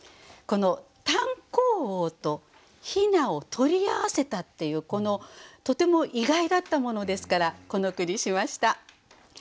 この「炭坑王」と「雛」を取り合わせたっていうとても意外だったものですからこの句にしました。